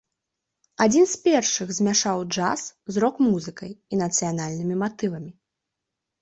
Адзін з першых змяшаў джаз з рок-музыкай і нацыянальнымі матывамі.